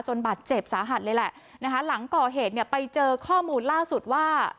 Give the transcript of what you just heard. บาดเจ็บสาหัสเลยแหละนะคะหลังก่อเหตุเนี่ยไปเจอข้อมูลล่าสุดว่า